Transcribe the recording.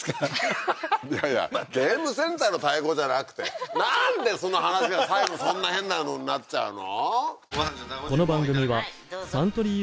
ははははっいやいやゲームセンターの太鼓じゃなくてなんでその話が最後そんな変なのになっちゃうの？